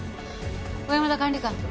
小山田管理官。